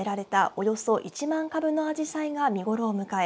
およそ１万株のあじさいが見頃を迎え